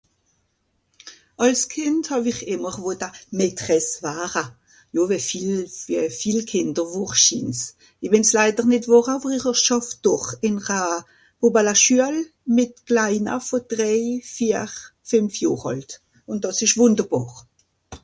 àls Kìnd hàw'ìr ìmmer wotta Maitresse wara jò wie viel viel Kìnd vorschìns i wenn s'laider nìt wore àwer ir schàff dòr ìn'r a Bòbalaschuel mìt klaina vòn drei vier fenf Jòhr àlt ùn dàss esch wùnderbàr